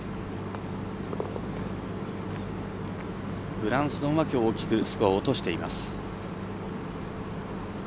ブランスドンはきょう大きくスコアを落としています。